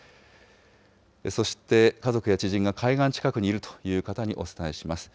そして、家族や知人が海岸近くにいるという方にお伝えします。